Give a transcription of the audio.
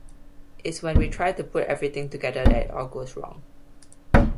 It's when we try to put everything together that it all goes wrong.